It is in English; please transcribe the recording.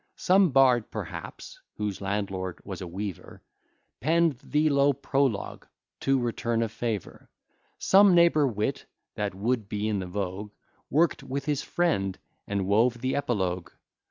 Some bard, perhaps, whose landlord was a weaver, Penn'd the low prologue to return a favour: Some neighbour wit, that would be in the vogue, Work'd with his friend, and wove the epilogue.